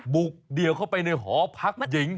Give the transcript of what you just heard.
เดี่ยวเข้าไปในหอพักหญิง